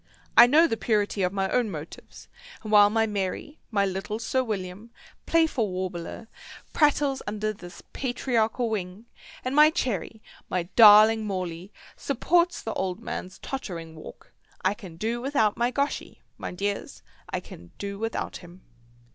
I know the purity of my own motives, and while my Merry, my little Sir William, playful warbler, prattles under this patriarchal wing, and my Cherry, my darling Morley, supports the old man's tottering walk, I can do without my Goschy, my dears, I can do without him."